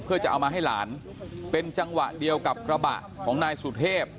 เพื่อจะเอามาให้หลานเป็นจังหวะเดียวกับกระบะของนายสุเทพ